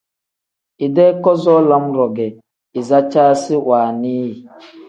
Idee kazoo lam-ro ge izicaasi wannii yi.